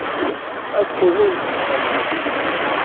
Ad qqlen ad msefhamen.